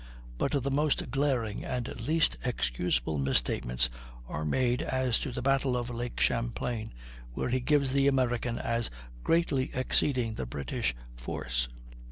But the most glaring and least excusable misstatements are made as to the battle of Lake Champlain, where he gives the American as greatly exceeding the British force.